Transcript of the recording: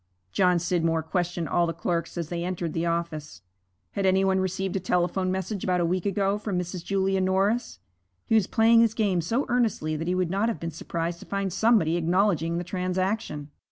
John Scidmore questioned all the clerks as they entered the office. Had any one received a telephone message about a week ago from Mrs. Julia Norris? He was playing his game so earnestly that he would not have been surprised to find somebody acknowledging the transaction.